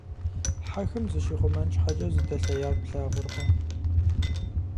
Хьэхэм зыщихъумэн щхьэкӏэ зыдэлъеяр плъагъуркъэ!